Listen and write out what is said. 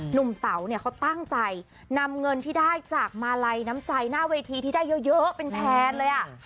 เต๋าเนี่ยเขาตั้งใจนำเงินที่ได้จากมาลัยน้ำใจหน้าเวทีที่ได้เยอะเป็นแพนเลยอ่ะ